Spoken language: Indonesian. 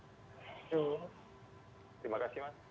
terima kasih mas